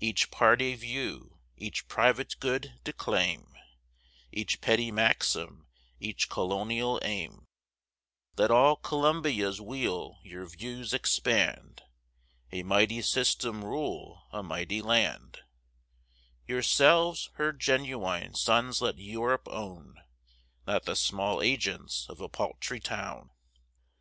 Each party view, each private good, disclaim, Each petty maxim, each colonial aim; Let all Columbia's weal your views expand, A mighty system rule a mighty land; Yourselves her genuine sons let Europe own, Not the small agents of a paltry town.